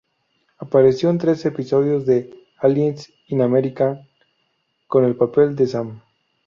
Apareció en tres episodios de "Aliens in America", con el papel de Sam.